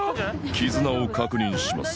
黄綱を確認します